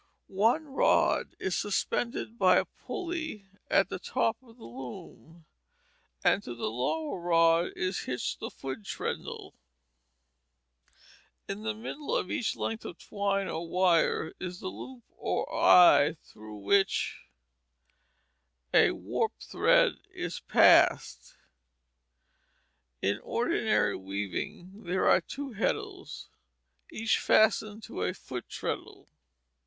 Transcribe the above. One rod is suspended by a pulley at the top of the loom; and to the lower rod is hitched the foot treadle. In the middle of each length of twine or wire is the loop or eye, through which a warp thread is passed. In ordinary weaving there are two heddles, each fastened to a foot treadle.